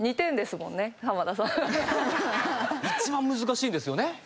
一番難しいんですよね？